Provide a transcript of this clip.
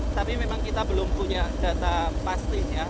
tapi memang kita belum punya data pastinya